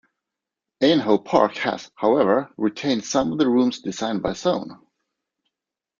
Aynhoe Park has, however, retained the rooms designed by Soane.